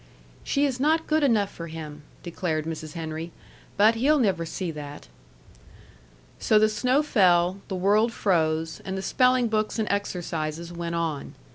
"She is not good enough for him," declared Mrs. Henry. "But he'll never see that." So the snow fell, the world froze, and the spelling books and exercises went on.